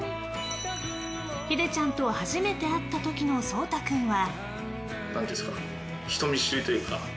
ヒデちゃんと初めて会った時の蒼太君は。